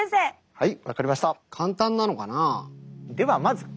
はい。